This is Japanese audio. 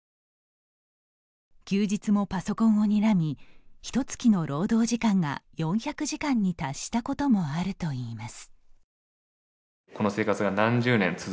休日もパソコンをにらみひとつきの労働時間が４００時間に達したこともあるといいます。